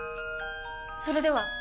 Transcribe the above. それでは！